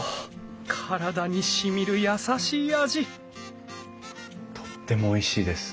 体にしみる優しい味とってもおいしいです。